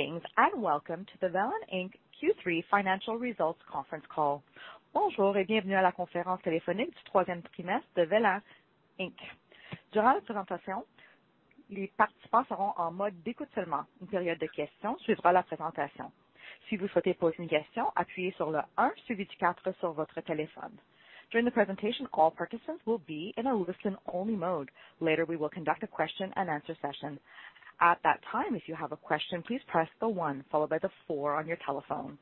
Greetings, and welcome to the Velan Inc. Q3 financial results conference call. During the presentation, all participants will be in a listen-only mode. Later, we will conduct a Q&A session. At that time, if you have a question, please press the one followed by the four on your telephone.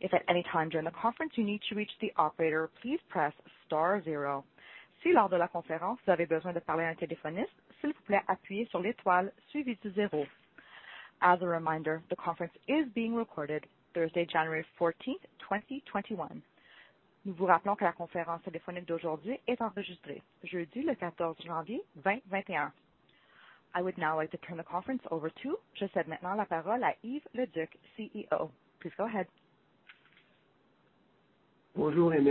If at any time during the conference you need to reach the operator, please press star zero. As a reminder, the conference is being recorded Thursday, January 14th, 2021. I would now like to turn the conference over to Yves Leduc, CEO. Please go ahead. Welcome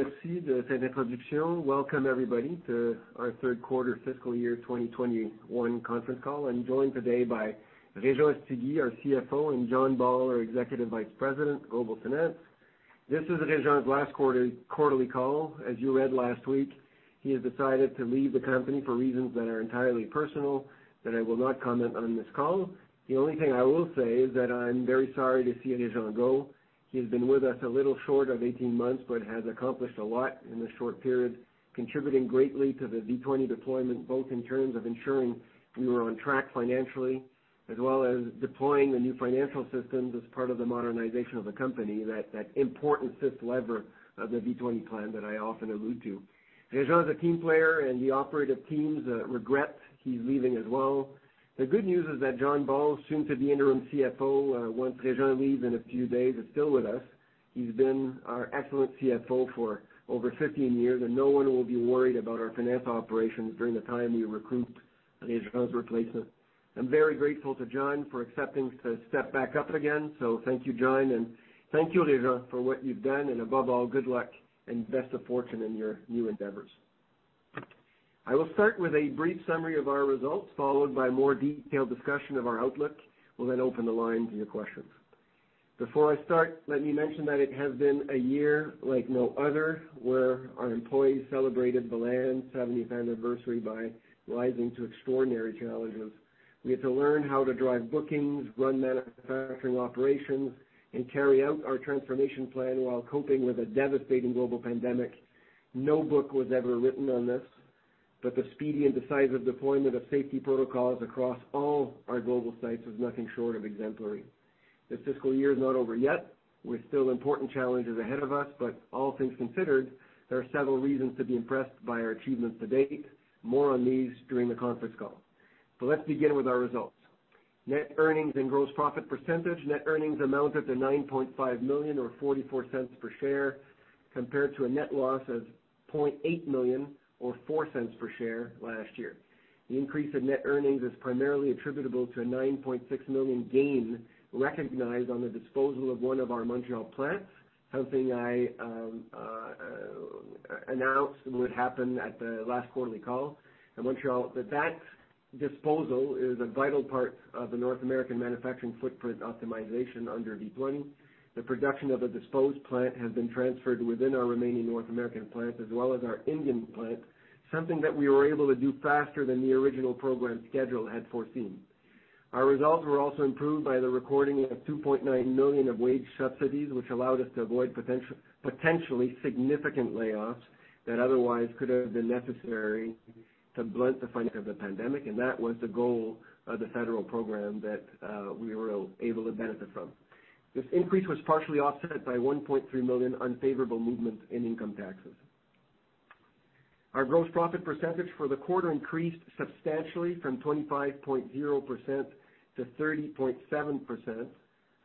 everybody to our third quarter fiscal year 2021 conference call. I'm joined today by Réjean Ostiguy, our CFO, and John Ball, our Executive Vice President, Global Finance. This is Réjean's last quarterly call. As you read last week, he has decided to leave the company for reasons that are entirely personal that I will not comment on this call. The only thing I will say is that I'm very sorry to see Réjean go. He's been with us a little short of 18 months but has accomplished a lot in this short period, contributing greatly to the V20 deployment, both in terms of ensuring we were on track financially as well as deploying the new financial systems as part of the modernization of the company, that important fifth lever of the V20 plan that I often allude to. Réjean's a team player, and the operative teams regret he's leaving as well. The good news is that John Ball, soon to be interim CFO once Réjean leaves in a few days, is still with us. He's been our excellent CFO for over 15 years, and no one will be worried about our finance operations during the time we recruit Réjean's replacement. I'm very grateful to John for accepting to step back up again. Thank you, John, and thank you, Réjean, for what you've done, and above all, good luck and best of fortune in your new endeavors. I will start with a brief summary of our results, followed by a more detailed discussion of our outlook. We'll then open the line to your questions. Before I start, let me mention that it has been a year like no other, where our employees celebrated Velan's 70th anniversary by rising to extraordinary challenges. We had to learn how to drive bookings, run manufacturing operations, and carry out our transformation plan while coping with a devastating global pandemic. No book was ever written on this, but the speedy and decisive deployment of safety protocols across all our global sites was nothing short of exemplary. The fiscal year is not over yet. We've still important challenges ahead of us, but all things considered, there are several reasons to be impressed by our achievements to date. More on these during the conference call. Let's begin with our results. Net earnings and gross profit percentage. Net earnings amounted to 9.5 million, or 0.44 per share, compared to a net loss of 0.8 million, or 0.04 per share last year. The increase in net earnings is primarily attributable to a 9.6 million gain recognized on the disposal of one of our Montreal plants, something I announced would happen at the last quarterly call. In Montreal, that disposal is a vital part of the North American manufacturing footprint optimization under V20. The production of the disposed plant has been transferred within our remaining North American plants as well as our Indian plant, something that we were able to do faster than the original program schedule had foreseen. Our results were also improved by the recording of 2.9 million of wage subsidies, which allowed us to avoid potentially significant layoffs that otherwise could have been necessary to blunt the findings of the pandemic. That was the goal of the Federal Program that we were able to benefit from. This increase was partially offset by 1.3 million unfavorable movements in income taxes. Our gross profit percentage for the quarter increased substantially from 25.0% to 30.7%,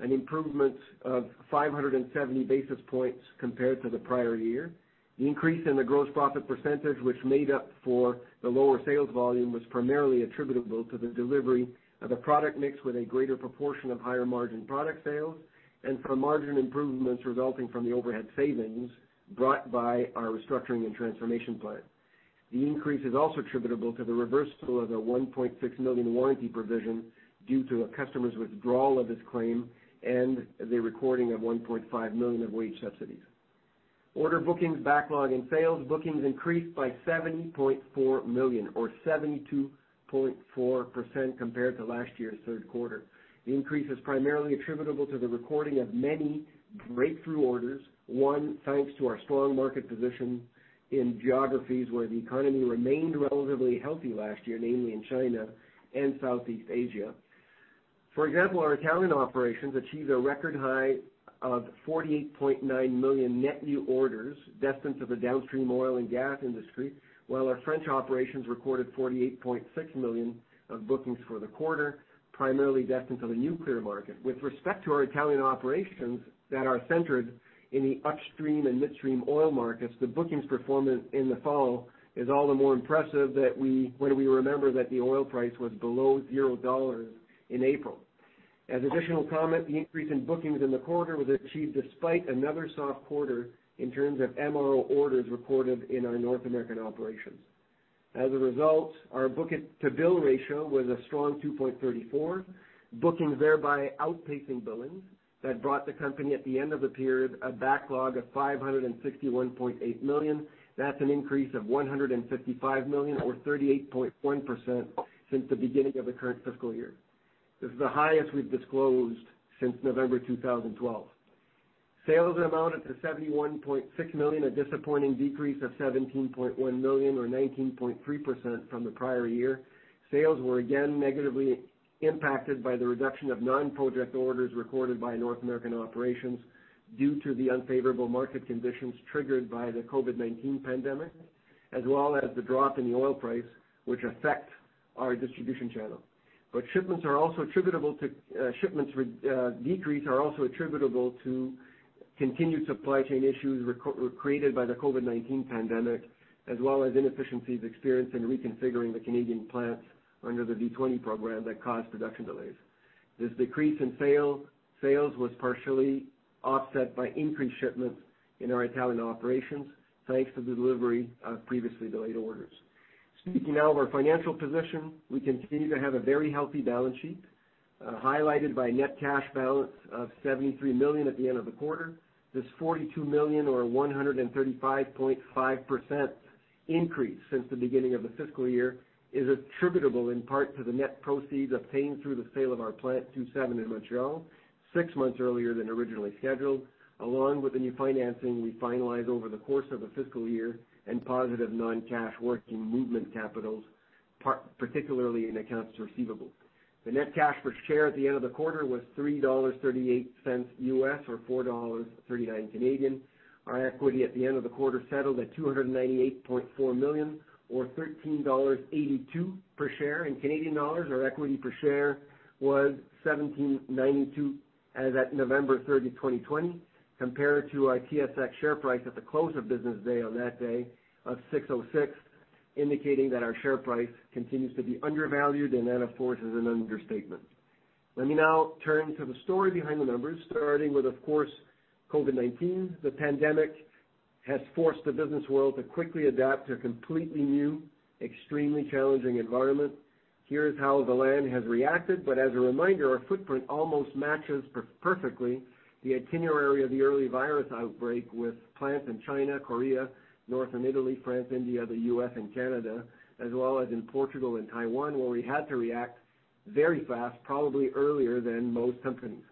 an improvement of 570 basis points compared to the prior year. The increase in the gross profit percentage, which made up for the lower sales volume, was primarily attributable to the delivery of a product mix with a greater proportion of higher margin product sales and from margin improvements resulting from the overhead savings brought by our Restructuring and Transformation Plan. The increase is also attributable to the reversal of a 1.6 million warranty provision due to a customer's withdrawal of his claim and the recording of 1.5 million of wage subsidies. Order bookings, backlog, and sales. Bookings increased by 7.4 million, or 72.4%, compared to last year's third quarter. The increase is primarily attributable to the recording of many breakthrough orders, one, thanks to our strong market position in geographies where the economy remained relatively healthy last year, namely in China and Southeast Asia. For example, our Italian operations achieved a record high of 48.9 million net new orders destined to the downstream oil and gas industry, while our French operations recorded 48.6 million of bookings for the quarter, primarily destined for the nuclear market. With respect to our Italian operations that are centered in the upstream and midstream oil markets, the bookings performance in the fall is all the more impressive when we remember that the oil price was below 0 dollars in April. As additional comment, the increase in bookings in the quarter was achieved despite another soft quarter in terms of MRO orders recorded in our North American operations. As a result, our book-to-bill ratio was a strong 2.34, bookings thereby outpacing billings. That brought the company at the end of the period a backlog of 561.8 million. That's an increase of 155 million or 38.1% since the beginning of the current fiscal year. This is the highest we've disclosed since November 2012. Sales amounted to 71.6 million, a disappointing decrease of 17.1 million or 19.3% from the prior year. Sales were again negatively impacted by the reduction of non-project orders recorded by North American operations due to the unfavorable market conditions triggered by the COVID-19 pandemic, as well as the drop in the oil price, which affect our distribution channel. Shipments decrease are also attributable to continued supply chain issues created by the COVID-19 pandemic, as well as inefficiencies experienced in reconfiguring the Canadian plants under the V20 program that caused production delays. This decrease in sales was partially offset by increased shipments in our Italian operations, thanks to the delivery of previously delayed orders. Speaking now of our financial position, we continue to have a very healthy balance sheet, highlighted by net cash balance of 73 million at the end of the quarter. This 42 million, or 135.5% increase since the beginning of the fiscal year, is attributable in part to the net proceeds obtained through the sale of our Plant 2/7 in Montreal, six months earlier than originally scheduled, along with the new financing we finalized over the course of the fiscal year and positive non-cash working movement capitals, particularly in accounts receivable. The net cash per share at the end of the quarter was $3.38 or 4.39 Canadian dollars. Our equity at the end of the quarter settled at 298.4 million or 13.82 dollars per share. Our equity per share was 17.92 as at November 30, 2020, compared to our TSX share price at the close of business day on that day of 6.06, indicating that our share price continues to be undervalued, and that, of course, is an understatement. Let me now turn to the story behind the numbers, starting with, of course, COVID-19. The pandemic has forced the business world to quickly adapt to a completely new, extremely challenging environment. Here is how Velan has reacted, but as a reminder, our footprint almost matches perfectly the itinerary of the early virus outbreak with plants in China, Korea, Northern Italy, France, India, the U.S., and Canada, as well as in Portugal and Taiwan, where we had to react very fast, probably earlier than most companies.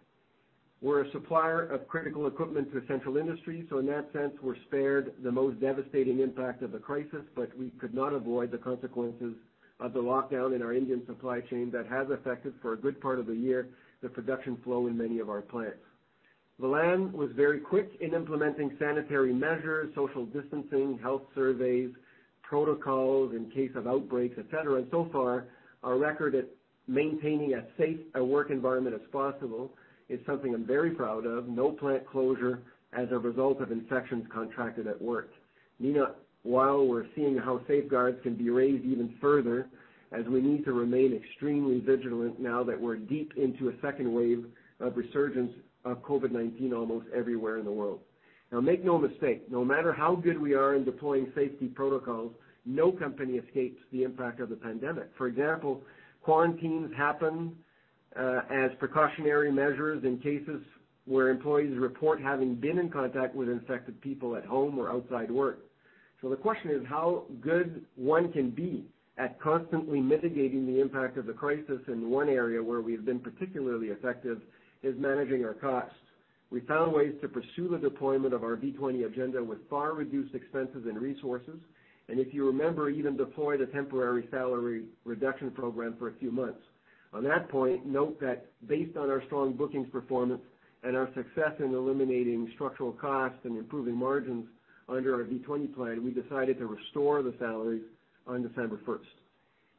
We're a supplier of critical equipment to essential industries, so in that sense, we're spared the most devastating impact of the crisis, but we could not avoid the consequences of the lockdown in our Indian supply chain that has affected, for a good part of the year, the production flow in many of our plants. Velan was very quick in implementing sanitary measures, social distancing, health surveys, protocols in case of outbreaks, et cetera. So far, our record at maintaining a safe work environment as possible is something I'm very proud of. No plant closure as a result of infections contracted at work. Meanwhile, we're seeing how safeguards can be raised even further as we need to remain extremely vigilant now that we're deep into a second wave of resurgence of COVID-19 almost everywhere in the world. Now, make no mistake, no matter how good we are in deploying safety protocols, no company escapes the impact of the pandemic. For example, quarantines happen as precautionary measures in cases where employees report having been in contact with infected people at home or outside work. The question is how good one can be at constantly mitigating the impact of the crisis, and one area where we've been particularly effective is managing our costs. We found ways to pursue the deployment of our V20 agenda with far reduced expenses and resources, and if you remember, even deployed a temporary salary reduction program for a few months. On that point, note that based on our strong bookings performance and our success in eliminating structural costs and improving margins under our V20 plan, we decided to restore the salaries on December 1st.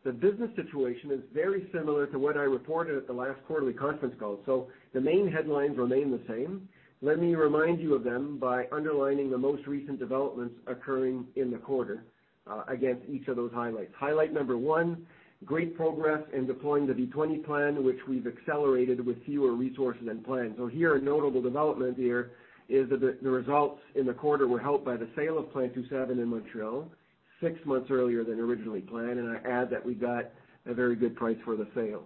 The business situation is very similar to what I reported at the last quarterly conference call. The main headlines remain the same. Let me remind you of them by underlining the most recent developments occurring in the quarter against each of those highlights. Highlight number one, great progress in deploying the V20 plan, which we've accelerated with fewer resources than planned. Here, a notable development here is that the results in the quarter were helped by the sale of Plant 2/7 in Montreal, six months earlier than originally planned. I add that we got a very good price for the sale.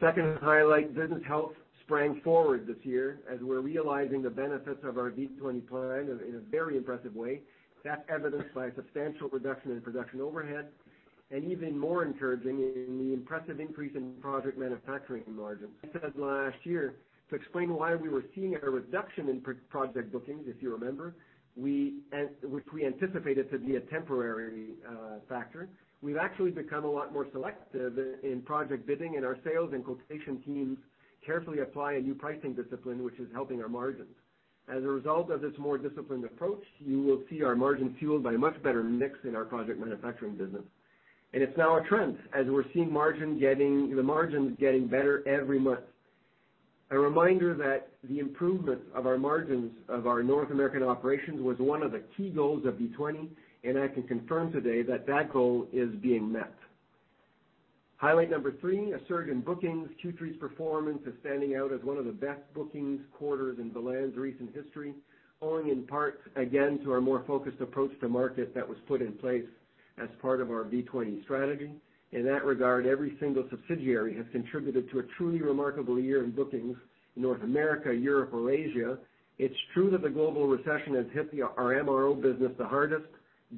Second highlight, business health sprang forward this year as we're realizing the benefits of our V20 plan in a very impressive way. That's evidenced by a substantial reduction in production overhead and even more encouraging in the impressive increase in project manufacturing margins. I said last year to explain why we were seeing a reduction in project bookings, if you remember, which we anticipated to be a temporary factor. We've actually become a lot more selective in project bidding, and our sales and quotation teams carefully apply a new pricing discipline, which is helping our margins. As a result of this more disciplined approach, you will see our margin fueled by a much better mix in our project manufacturing business. It's now a trend, as we're seeing the margins getting better every month. A reminder that the improvement of our margins of our North American operations was one of the key goals of V20, and I can confirm today that that goal is being met. Highlight number three, a surge in bookings. Q3's performance is standing out as one of the best bookings quarters in Velan's recent history, owing in part, again, to our more focused approach to market that was put in place as part of our V20 strategy. In that regard, every single subsidiary has contributed to a truly remarkable year in bookings in North America, Europe, or Asia. It's true that the global recession has hit our MRO business the hardest,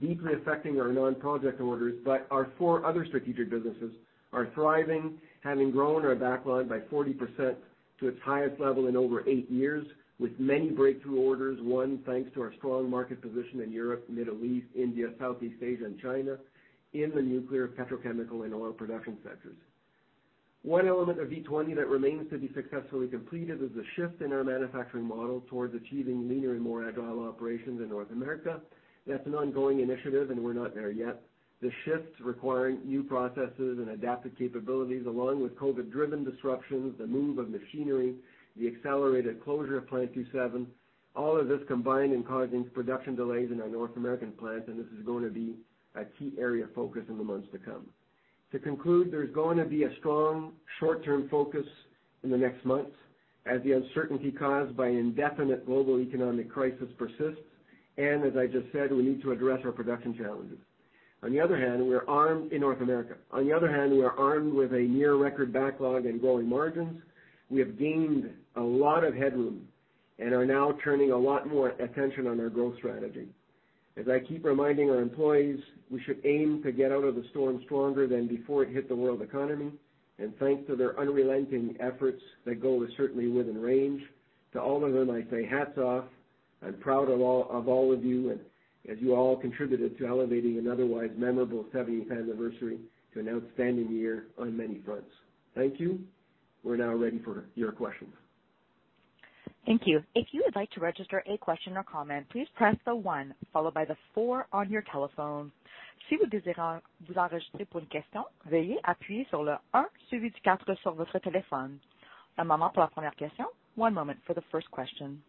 deeply affecting our non-project orders. Our four other strategic businesses are thriving, having grown our backlog by 40% to its highest level in over eight years, with many breakthrough orders, one, thanks to our strong market position in Europe, Middle East, India, Southeast Asia, and China, in the nuclear, petrochemical, and oil production sectors. One element of V20 that remains to be successfully completed is the shift in our manufacturing model towards achieving leaner and more agile operations in North America. That's an ongoing initiative, and we're not there yet. The shift requiring new processes and adapted capabilities, along with COVID-driven disruptions, the move of machinery, the accelerated closure of Plant 2/7, all of this combined in causing production delays in our North American plant. This is going to be a key area of focus in the months to come. To conclude, there's going to be a strong short-term focus in the next months as the uncertainty caused by indefinite global economic crisis persists. As I just said, we need to address our production challenges. On the other hand, we are armed in North America. On the other hand, we are armed with a near record backlog and growing margins. We have gained a lot of headroom and are now turning a lot more attention on our growth strategy. As I keep reminding our employees, we should aim to get out of the storm stronger than before it hit the world economy. Thanks to their unrelenting efforts, that goal is certainly within range. To all of them, I say hats off. I'm proud of all of you, and as you all contributed to elevating an otherwise memorable 70th anniversary to an outstanding year on many fronts. Thank you. We're now ready for your questions. Thank you. If you would like to register a question or comment, please press the one followed by the four on your telephone. One moment for the first question.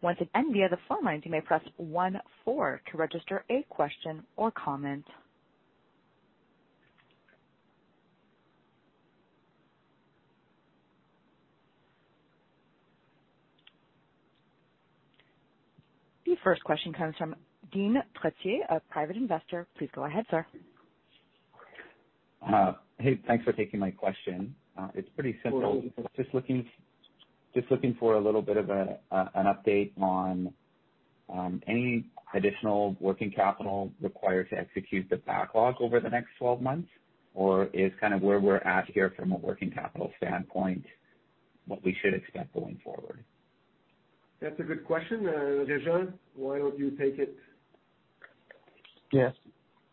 Once it ends via the phone lines, you may press one four to register a question or comment. The first question comes from Dean Trottier, a private investor. Please go ahead, sir. Hey, thanks for taking my question. It's pretty simple. Just looking for a little bit of an update on any additional working capital required to execute the backlog over the next 12 months, or is kind of where we're at here from a working capital standpoint what we should expect going forward? That's a good question. Réjean, why don't you take it? Yes.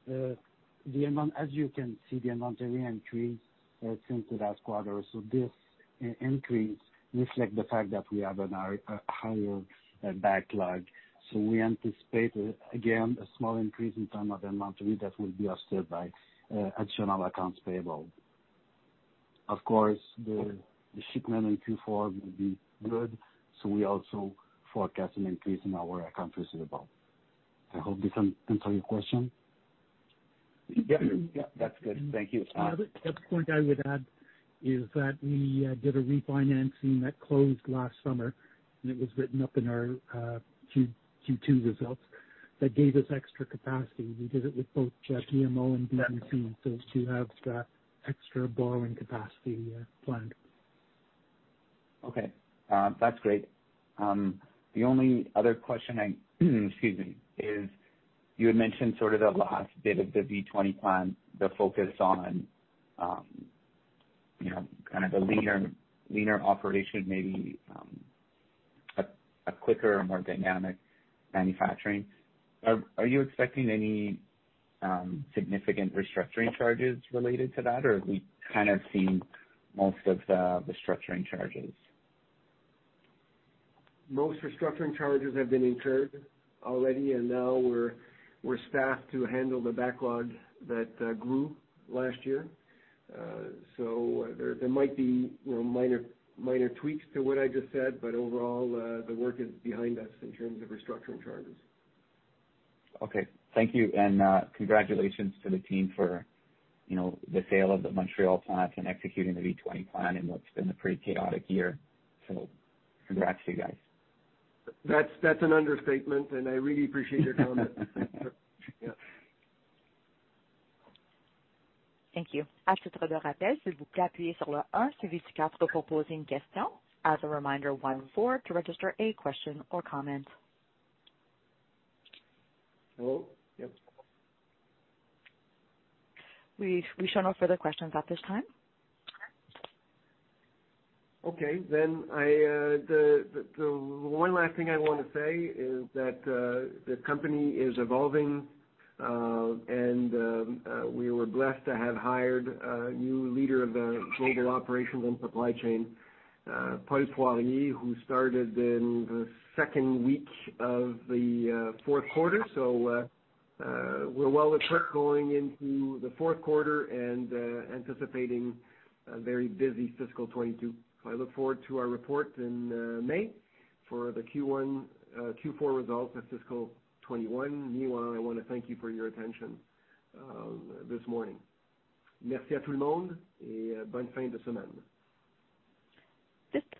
As you can see, the amount of inventory has increased since the last quarter. This increase reflects the fact that we have a higher backlog. We anticipate, again, a small increase in terms of inventory that will be offset by additional accounts payable. Of course, the shipment in Q4 will be good, so we also forecast an increase in our accounts receivable. I hope this answer your question. Yeah, that's good. Thank you. The other point I would add is that we did a refinancing that closed last summer, and it was written up in our Q2 results. That gave us extra capacity. We did it with both BMO and BDC. To have that extra borrowing capacity planned. Okay, that's great. The only other question, excuse me, is you had mentioned sort of the last bit of the V20 plan, the focus on kind of a leaner operation, maybe a quicker, more dynamic manufacturing. Are you expecting any significant restructuring charges related to that, or have we kind of seen most of the restructuring charges? Most restructuring charges have been incurred already, now we're staffed to handle the backlog that grew last year. There might be minor tweaks to what I just said, overall, the work is behind us in terms of restructuring charges. Okay, thank you. Congratulations to the team for the sale of the Montreal plant and executing the V20 plan in what's been a pretty chaotic year. Congrats to you guys. That's an understatement, and I really appreciate your comment. Yeah. Thank you. As a reminder, one, four to register a question or comment. Hello? Yep. We show no further questions at this time. Okay. The one last thing I want to say is that the company is evolving, and we were blessed to have hired a new leader of the Global Operations and Supply Chain, Paul Poirier, who started in the second week of the fourth quarter. We're well-equipped going into the fourth quarter and anticipating a very busy fiscal 2022. I look forward to our report in May for the Q4 results of fiscal 2021. Meanwhile, I want to thank you for your attention this morning. This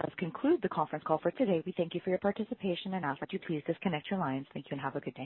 does conclude the conference call for today. We thank you for your participation and ask that you please disconnect your lines. Thank you and have a good day.